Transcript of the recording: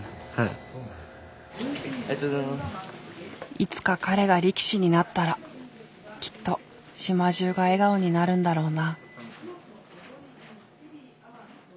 いつか彼が力士になったらきっと島中が笑顔になるんだろうな。